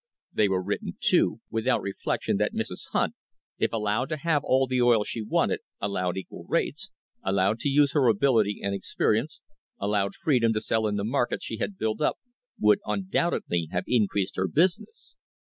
They were written, too, without reflection that Mrs. Hunt, if allowed to have all the oil she wanted, allowed equal rates, allowed to use her ability and experi ence, allowed freedom to sell in the markets she had built up, would undoubtedly have increased her business.